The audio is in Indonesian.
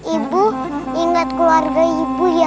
ibu ingat keluarga ibu ya